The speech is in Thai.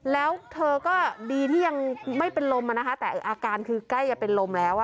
แล้วเธอก็ดีที่ยังไม่เป็นลมแต่อาการคือใกล้จะเป็นลมแล้ว